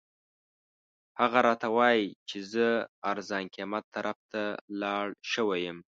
هغه راته وایي چې زه ارزان قیمت طرف ته لاړ شوی یم.